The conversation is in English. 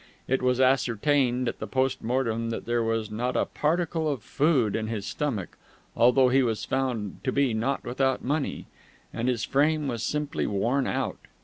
It was ascertained at the post mortem that there was not a particle of food in his stomach, although he was found to be not without money. And his frame was simply worn out.